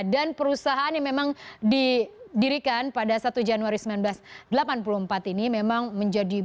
dan perusahaan yang memang didirikan pada satu januari seribu sembilan ratus delapan puluh empat ini